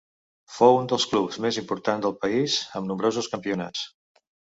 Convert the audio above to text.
Fou un dels clubs més importants del país amb nombrosos campionats.